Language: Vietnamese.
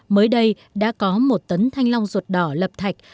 mới đây đã có một tấn thanh long ruột đỏ lập thạch